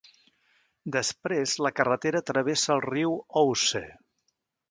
Després la carretera travessa el riu Ouse.